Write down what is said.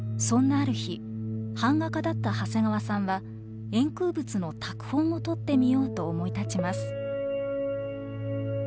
そんなある日版画家だった長谷川さんは円空仏の拓本を取ってみようと思い立ちます。